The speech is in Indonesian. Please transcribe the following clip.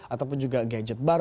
ataupun juga gadget baru